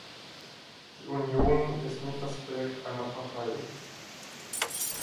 Die Union ist nicht das Projekt einer Partei.